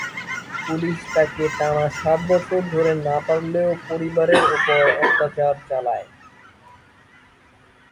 Police তাকে টানা সাত বছর ধরতে না পারলেও পরিবারের ওপর অত্যাচার চালায়।